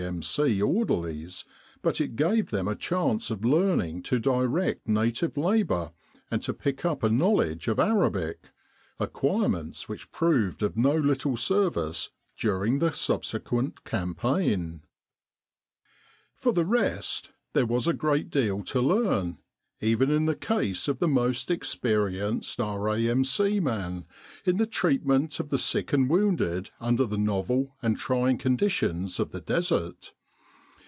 M.C. orderlies, but it gave them a chance of learning to direct native labour and to pick up a knowledge of Arabic acquirements which proved of no little service during the subsequent campaign. For the rest, there was a great deal to learn, even in the case of the most experienced R.A.M.C. man, in the treatment of the sick and wounded under the novel and trying conditions of the Desert.